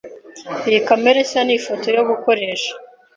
Iyi kamera nshya ni ifoto yo gukoresha.